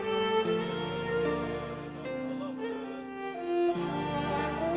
itu yang membuat saya kuat